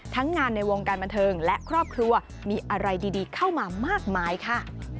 งานในวงการบันเทิงและครอบครัวมีอะไรดีเข้ามามากมายค่ะ